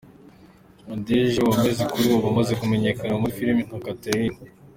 Nadege Uwamwezi kuri ubu umaze kumenyekana muri filime nka Catherine.